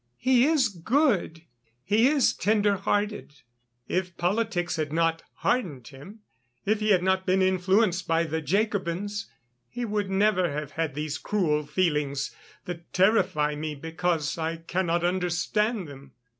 He is good, he is tender hearted. If politics had not hardened him, if he had not been influenced by the Jacobins, he would never have had these cruel feelings, that terrify me because I cannot understand them."